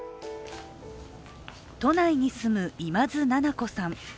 都内に住む今津那奈子さん。